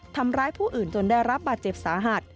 ทำร้ายผู้อื่นจนได้รับบาดเจ็บสาหัส